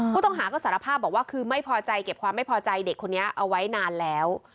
ผู้ต้องหาก็สารภาพบอกว่าคือไม่พอใจเก็บความไม่พอใจเด็กคนนี้เอาไว้นานแล้ว